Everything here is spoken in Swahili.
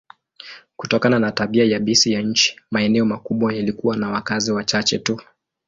Kutokana na tabia yabisi ya nchi, maeneo makubwa yalikuwa na wakazi wachache tu.